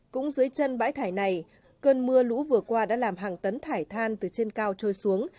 cũng dưới chân bãi thải này cơn mưa lũ vừa qua đã làm hàng tấn thải than từ trên cao trôi xuống